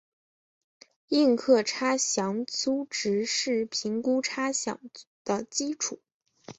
应课差饷租值是评估差饷的基础。